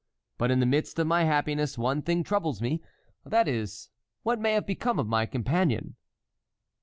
But in the midst of my happiness, one thing troubles me; that is, what may have become of my companion."